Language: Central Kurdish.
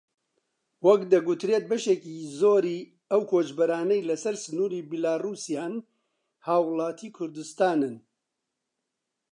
وەک دەگوترێت بەشێکی زۆری ئەو کۆچبەرانەی لەسەر سنووری بیلاڕووسیان هاوڵاتیانی کوردستانن